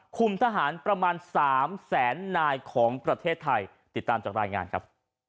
ทหารประมาณ๓แสนนายของประเทศไทยติดตามจากรายงานครับ